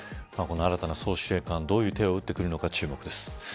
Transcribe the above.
この新たな総司令官どういう手を打ってくるか注目です。